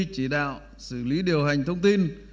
chỉ đạo xử lý điều hành thông tin